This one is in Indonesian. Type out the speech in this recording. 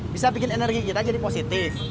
bisa bikin energi kita jadi positif